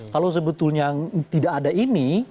kalau sebetulnya tidak ada ini